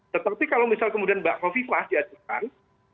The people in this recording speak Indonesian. tetapi kalau misal kemudian mbak wafifah diajarkan